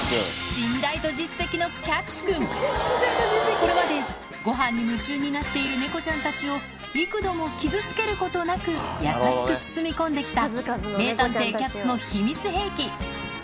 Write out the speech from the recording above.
信頼と実績のこれまでご飯に夢中になっている猫ちゃんたちを幾度も傷つけることなく優しく包み込んできた名探偵キャッツの秘密兵器